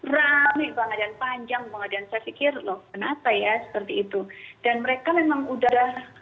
rame banget dan panjang banget dan saya pikir loh kenapa ya seperti itu dan mereka memang udah